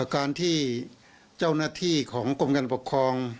การที่เจ้าหน้าที่ของกรมการปกครอง